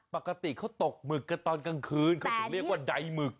ปกติเขาตกหมึกกันตอนกลางคืนเขาถึงเรียกว่าใดหมึก